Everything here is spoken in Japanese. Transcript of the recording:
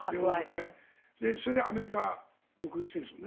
それでアメリカ独立戦争ね